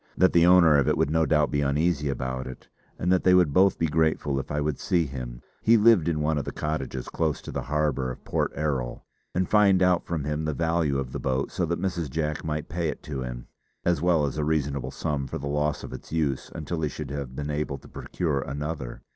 That the owner of it would no doubt be uneasy about it, and that they would both be grateful if I would see him he lived in one of the cottages close to the harbour of Port Erroll and find out from him the value of the boat so that Mrs. Jack might pay it to him, as well as a reasonable sum for the loss of its use until he should have been able to procure another.